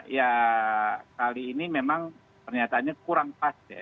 ya kali ini memang pernyataannya kurang pas ya